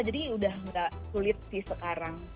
jadi sudah gak sulit sih sekarang